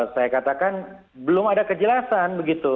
saya katakan belum ada kejelasan begitu